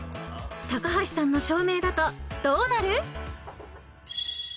［高橋さんの照明だとどうなる？］